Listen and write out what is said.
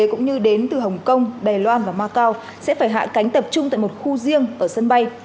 cũng như đến từ hồng kông đài loan và macau sẽ phải hạ cánh tập trung tại một khu riêng ở sân bay